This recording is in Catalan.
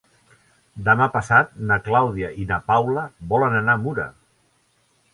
Demà passat na Clàudia i na Paula volen anar a Mura.